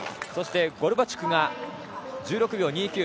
そしてゴロバチュクが１６秒２９。